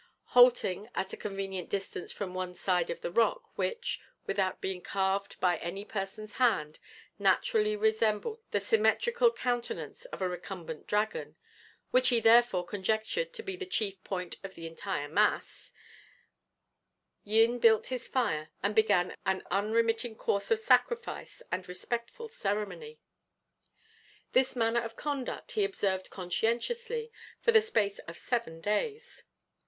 Halting at a convenient distance from one side of the rock which, without being carved by any person's hand, naturally resembled the symmetrical countenance of a recumbent dragon (which he therefore conjectured to be the chief point of the entire mass), Yin built his fire and began an unremitting course of sacrifice and respectful ceremony. This manner of conduct he observed conscientiously for the space of seven days.